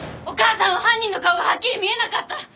お母さんは犯人の顔がはっきり見えなかった。